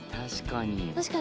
確かに。